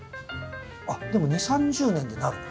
あっでも２０３０年でなるの？